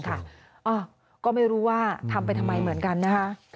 ก็ไม่รู้ว่าทำไปทำไมเหมือนกันนะคะ